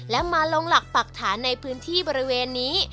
และมาลงหลักปรักฐานในพื้นที่บริเวณนี้